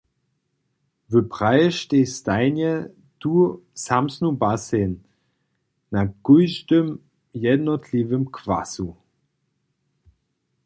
Wy praješće stajnje tu samsnu baseń, na kóždym jednotliwym kwasu.